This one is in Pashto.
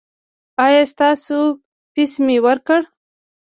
ایا ستاسو فیس مې ورکړ؟